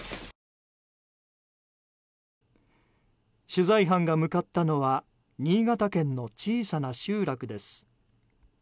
取材班が向かったのは新潟県の小さな集落です。